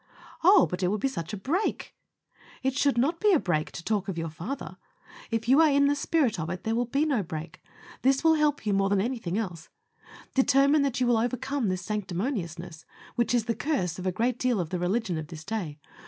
"Oh! but it would be such a break." It should not be a break to talk to your Father. If you are in the spirit of it there will be no break. This will help you, more than anything else. Determine that you will overcome this sanctimoniousness, which is the curse of a great deal of the religion of this day.